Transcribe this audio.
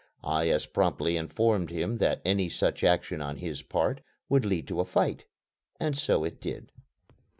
I as promptly informed him that any such action on his part would lead to a fight. And so it did.